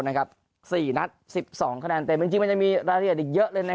๔นัด๑๒คะแนนเต็มจริงมันยังมีรายละเอียดอีกเยอะเลยนะ